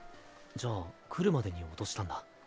じゃあ来るまでに落としたんだ。